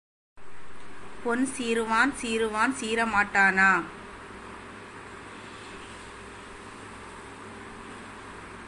பொன் சீறுவான் சீறுவான் சீறமாட்டானா?